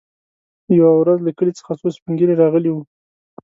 يوه ورځ له کلي څخه څو سپين ږيري راغلي وو.